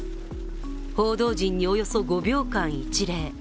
報道陣におよそ５秒間、一礼。